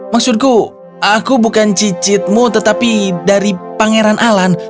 maksudku aku bukan cicitmu tetapi dari pangeran alan